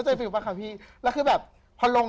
แต่น้ำกลื้น